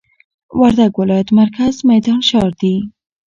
وردګ ولايت مرکز میدان ښار دي